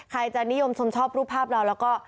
ใครจะนิยมชมชอบรูปภาพเราแล้วก็